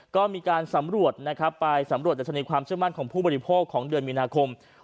ก็มีการสำรวจนะครับไปสำรวจดัชนีความเชื่อมั่นของผู้บริโภคของเดือนมีนาคม